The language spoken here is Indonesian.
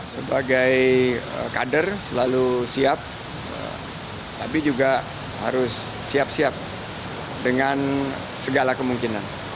sebagai kader selalu siap tapi juga harus siap siap dengan segala kemungkinan